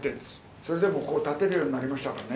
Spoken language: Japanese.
それでもこう、立てるようになりましたからね。